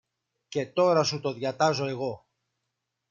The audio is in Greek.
Και τώρα σου το διατάζω εγώ